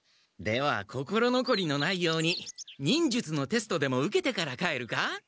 では心のこりのないように忍術のテストでも受けてから帰るか？